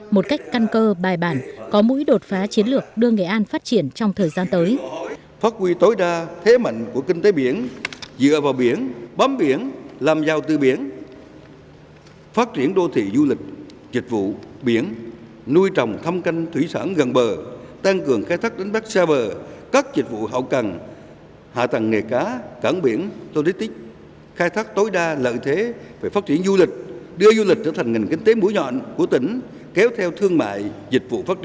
một cách căn cơ bài bản có mũi đột phá chiến lược đưa nghệ an phát triển trong thời gian tới